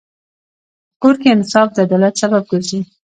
په کور کې انصاف د عدالت سبب ګرځي.